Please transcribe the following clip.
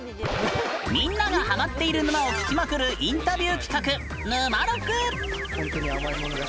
みんながハマっている沼を聞きまくるインタビュー企画「ぬまろく」。